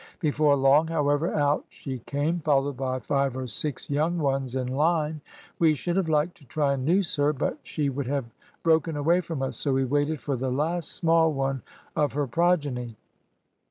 Before long, however, out she came, followed by five or six young ones in line. We should have liked to try and noose her, but she would have broken away from us, so we waited for the last small one of her progeny.